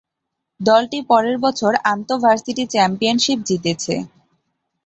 দলটি পরের বছর আন্ত-ভার্সিটি চ্যাম্পিয়নশিপ জিতেছে।